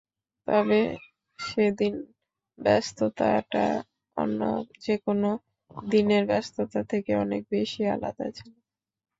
তবে সেদিনের ব্যস্ততাটা অন্য যেকোনো দিনের ব্যস্ততা থেকে অনেক বেশি আলাদা ছিল।